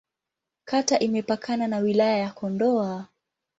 Kata imepakana na Wilaya ya Kondoa.